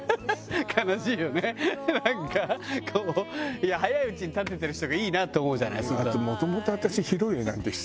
いや早いうちに建ててる人がいいなって思うじゃない。